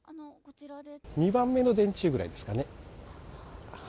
２番目の電柱ぐらいですかね。